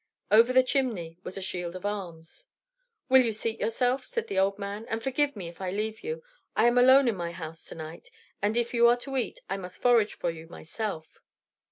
Over the chimney was a shield of arms. "Will you seat yourself," said the old man, "and forgive me if I leave you? I am alone in my house to night, and if you are to eat I must forage for you myself."